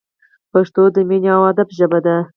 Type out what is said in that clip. پښتو د مینې او ادب ژبه ده!